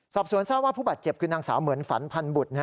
สอบสวนทราบว่าผู้บาดเจ็บคือนางสาวเหมือนฝันพันบุตร